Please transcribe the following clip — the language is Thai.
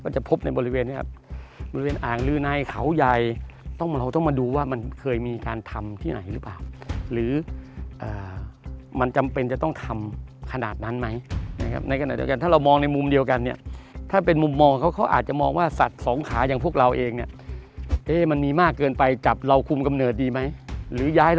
จริงกันถ้าเรามองในมุมเดียวกันเนี่ยถ้าเป็นมุมมองเขาอาจจะมองว่าสัตว์สองขายังพวกเราเองเนี่ย